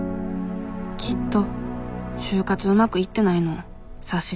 きっと就活うまくいってないのを察してくれただけ。